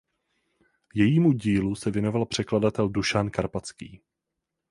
Jejímu dílu se věnoval překladatel Dušan Karpatský.